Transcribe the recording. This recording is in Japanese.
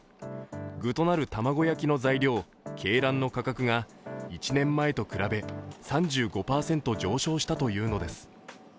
具となる卵焼きの材料、鶏卵の価格が１年前と比べ３５％上昇したというのです。